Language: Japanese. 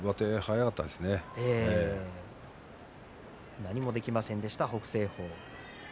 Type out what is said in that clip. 何もできませんでした北青鵬。